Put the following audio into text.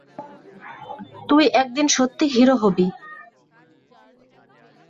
তুই একদিন সত্যি হিরো হবি।